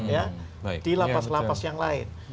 ya di lapas lapas yang lain